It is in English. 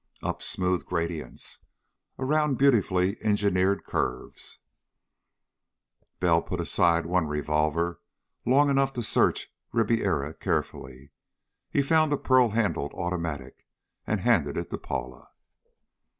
Up smooth gradients. Around beautifully engineered curves. Bell put aside one revolver long enough to search Ribiera carefully. He found a pearl handled automatic, and handed it to Paula.